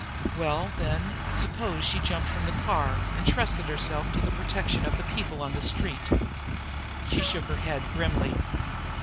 Well, then, suppose she jumped from the car, and trusted herself to the protection of the people on the street. She shook her head grimly.